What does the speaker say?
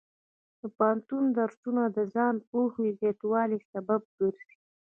د پوهنتون درسونه د ځان پوهې زیاتوالي سبب ګرځي.